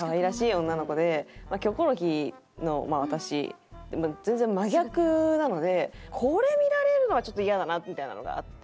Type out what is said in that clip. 『キョコロヒー』の私全然真逆なのでこれ見られるのはちょっとイヤだなみたいなのがあって。